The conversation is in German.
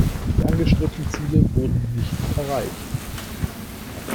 Die angestrebten Ziele wurden nicht erreicht.